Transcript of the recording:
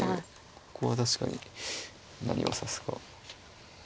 ここは確かに何を指すか。